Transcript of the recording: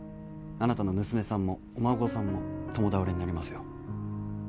あなたの娘さんもお孫さんも共倒れになりますよ